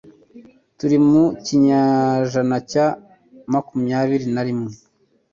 turi mu kinyejana cya makumyabiri na rimwe